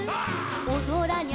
「おどらにゃ